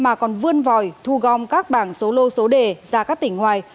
mà còn vươn vòi thu gom các bảng số lô số đề ra các tỉnh ngoài